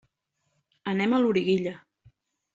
Anem a Loriguilla.